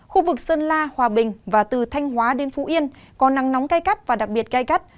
khu vực sơn la hòa bình và từ thanh hóa đến phú yên có nắng nóng cay cắt và đặc biệt gai gắt